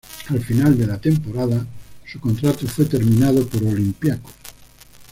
Al final de la temporada su contrato fue terminado por Olympiacos.